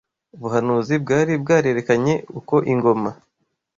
Ubuhanuzi bwari bwarerekanye uko ingoma